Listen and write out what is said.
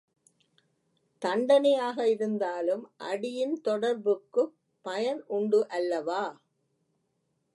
தண்டனையாக இருந்தாலும் அடியின் தொடர்புக்குப் பயன் உண்டு அல்லவா?